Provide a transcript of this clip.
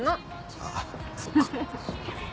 あっそっか。